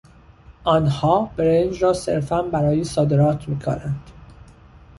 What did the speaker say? آنها برنج را صرفا برای صادرات میکارند.